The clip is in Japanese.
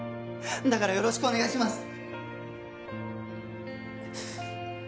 だからよろしくお願いします。